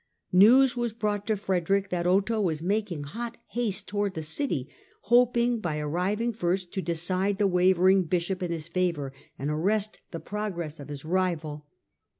News was brought to Frederick that Otho was making hot haste towards the city, hoping by arriving first to decide the wavering Bishop in his favour and arrest the progress of his rival.